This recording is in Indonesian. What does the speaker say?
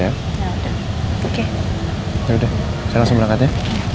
ya udah saya langsung berangkat ya